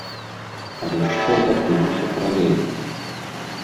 Але што адбылося паралельна?